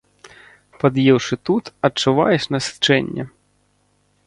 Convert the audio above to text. Пад'еўшы тут, адчуваеш насычэнне.